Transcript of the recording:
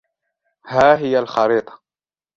ها هي الخريطة.